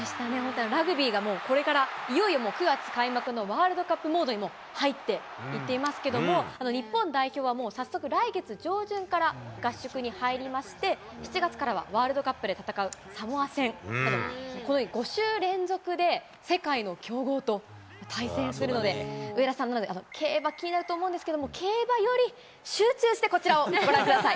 ラグビーがこれからいよいよ９月開幕のワールドカップモードに、もう入っていっていますけども、日本代表はもう早速、来月上旬から合宿に入りまして、７月からはワールドカップで戦うサモア戦、このように５週連続で、世界の強豪と対戦するので、上田さん、なので、競馬気になると思うんですけれども、競馬より集中してこちらをご覧ください。